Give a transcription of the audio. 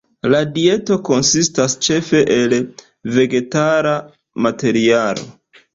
La dieto konsistas ĉefe el vegetala materialo.